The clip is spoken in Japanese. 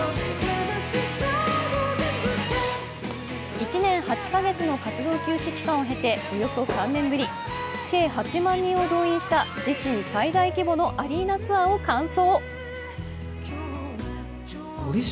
１年８か月ぶりの活動休止期間を経ておよそ３年ぶり計８万人を動員した自身最大規模のアリーナツアーを完走。